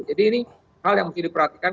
jadi ini hal yang mesti diperhatikan